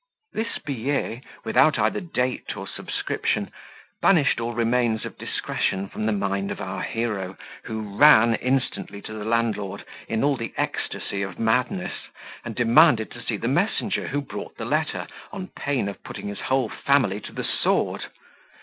This billet, without either date or subscription, banished all remains of discretion from the mind of our hero, who ran instantly to the landlord in all the ecstasy of madness, and demanded to see the messenger who brought the letter on pain of putting his whole family to the sword.